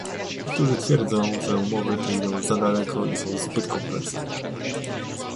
Niektórzy twierdzą, że umowy te idą za daleko i są zbyt kompleksowe